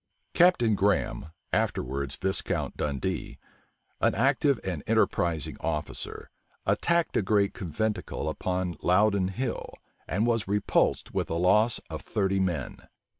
Captain Graham, afterwards Viscount Dundee, an active and enterprising officer, attacked a great conventicle upon Loudon Hill, and was repulsed with the loss of thirty men.